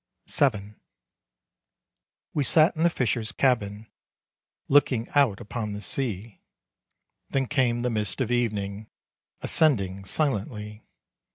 VII. We sat in the fisher's cabin, Looking out upon the sea. Then came the mists of evening, Ascending silently.